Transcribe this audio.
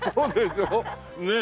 ねえ。